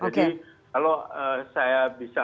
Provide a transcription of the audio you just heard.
jadi kalau saya bisa